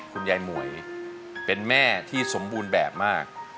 หมวยเป็นแม่ที่สมบูรณ์แบบมาก